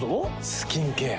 スキンケア。